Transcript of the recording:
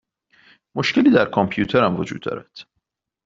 مشکلی در کامپیوترم وجود دارد.